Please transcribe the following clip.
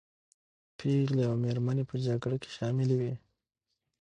پېغلې او مېرمنې په جګړه کې شاملي وې.